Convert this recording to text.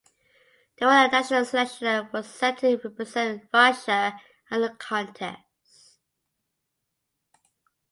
They won the national selection and were set to represent Russia at the contest.